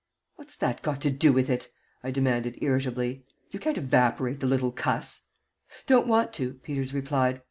"What's that got to do with it?" I demanded, irritably. "You can't evaporate the little cuss." "Don't want to," Peters replied.